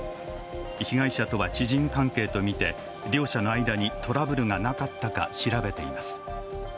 被害者とは知人関係とみて両者の間にトラブルがなかったか調べています。